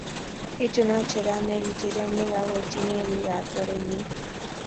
itunot cheramei nchirenik akutinyei biikab orenyin.